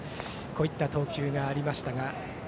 こういった投球がありましたが。